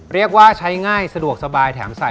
เรียกว่าใช้ง่ายสะดวกสบายแถมใส่